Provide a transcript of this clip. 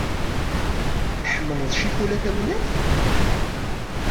Tḥemmleḍ ccikula tamellalt?